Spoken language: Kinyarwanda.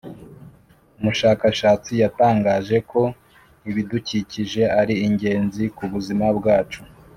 Umushakashatsi yatangaje ko ibidukikije ari ingenzi kubuzima bwacu